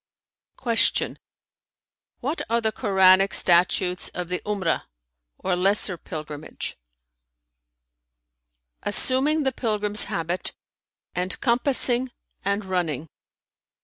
Q "What are the Koranic statutes of the 'Umrah[FN#323] or lesser pilgrimage?" "Assuming the pilgrim's habit and compassing and running."